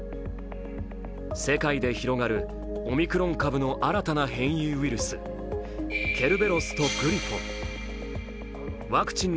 世界で広がるオミクロン株の新たな変異ウイルス、ケルベロスとグリフォン。